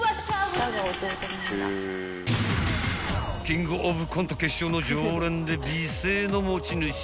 ［キングオブコント決勝の常連で美声の持ち主］